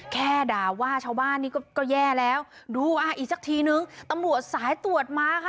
แค่ด่าว่าชาวบ้านนี่ก็แย่แล้วดูอ่ะอีกสักทีนึงตำรวจสายตรวจมาค่ะ